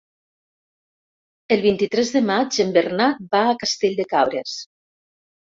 El vint-i-tres de maig en Bernat va a Castell de Cabres.